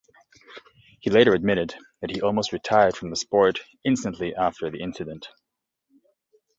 He later admitted that he almost retired from the sport instantly after the incident.